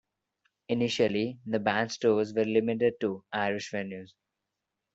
Initially, the bands' tours were limited to Irish venues.